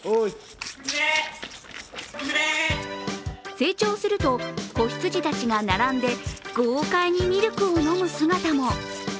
成長すると、子羊たちが並んで豪快にミルクを飲む姿も。